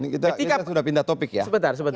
kita sudah pindah topik ya